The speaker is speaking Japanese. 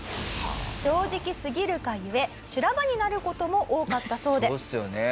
正直すぎるが故修羅場になる事も多かったそうで。